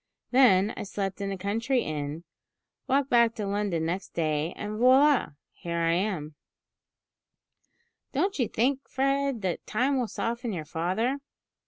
Then I slept in a country inn, walked back to London next day, and, voila! here I am!" "Don't you think, Fred, that time will soften your father?"